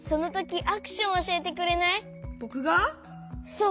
そう。